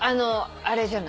あれじゃない？